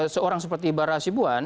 seorang seperti ibarah sibuan